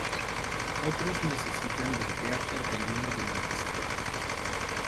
Otros necesitan del pH alcalino del intestino.